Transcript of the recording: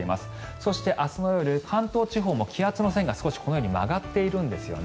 そして、明日の夜、関東地方も気圧の線が少しこのように曲がっているんですよね。